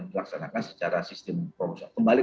dilaksanakan secara sistem profesional kembali